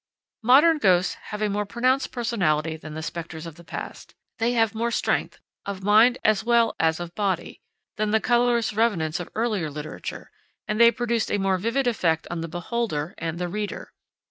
Modern ghosts have a more pronounced personality than the specters of the past. They have more strength, of mind as well as of body, than the colorless revenants of earlier literature, and they produce a more vivid effect on the beholder and the reader.